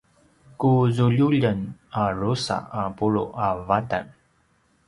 ku zululjen a drusa a pulu’ a vatan